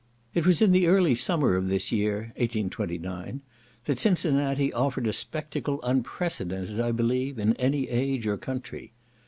It was in the early summer of this year (1829) that Cincinnati offered a spectacle unprecedented, I believe, in any age or country.